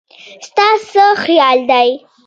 ستا څه خيال دی